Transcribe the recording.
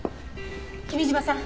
君嶋さん